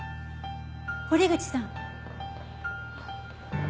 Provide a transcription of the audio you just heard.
堀口さん。